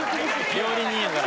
料理人やから。